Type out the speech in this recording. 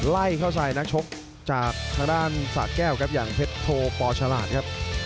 ไล่เข้าใส่นักชกจากทางด้านศาสตร์แก้วอย่างเพชรโทปอล์ชะลาดครับ